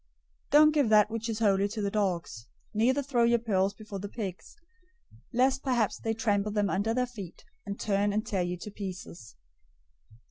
007:006 "Don't give that which is holy to the dogs, neither throw your pearls before the pigs, lest perhaps they trample them under their feet, and turn and tear you to pieces.